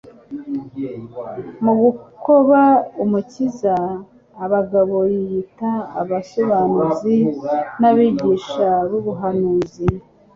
Mu gukoba Umukiza, abagabo biyita abasobanuzi n'abigisha b'ubuhanuzi